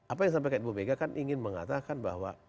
apa yang sampaikan ibu mega kan ingin mengatakan bahwa